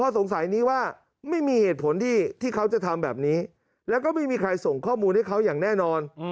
สงสัยนี้ว่าไม่มีเหตุผลที่เขาจะทำแบบนี้แล้วก็ไม่มีใครส่งข้อมูลให้เขาอย่างแน่นอน